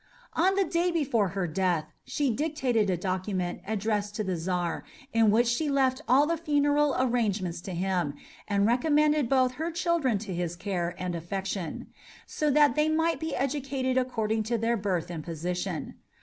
On the day before her death she dictated a document addressed to the Czar, in which she left all the funeral arrangements to him, and recommended both her children to his care and affection, so that they "might be educated according to their birth and position."